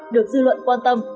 được dư luận quan tâm